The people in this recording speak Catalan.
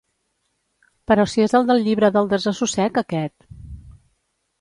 Però si és el del Llibre del Desassossec, aquest!